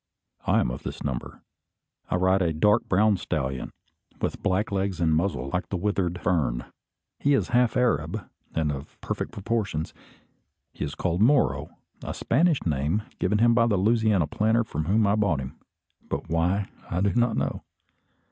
I am of this number. I ride a dark brown stallion, with black legs, and muzzle like the withered fern. He is half Arab, and of perfect proportions. He is called Moro, a Spanish name given him by the Louisiana planter from whom I bought him, but why I do not know.